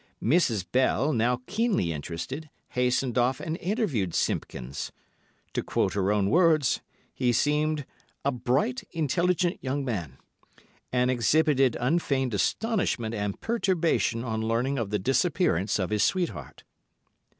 Mrs. Bell, now keenly interested, hastened off and interviewed Simpkins. To quote her own words, he seemed "a bright, intelligent young man," and exhibited unfeigned astonishment and perturbation on learning of the disappearance of his sweetheart.